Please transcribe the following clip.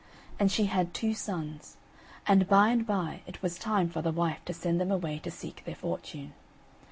And she had two sons; and by and by it was time for the wife to send them away to seek their fortune.